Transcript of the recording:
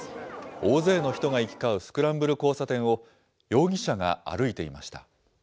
大勢の人が行き交うスクランブル交差点を、容疑者が歩いていました。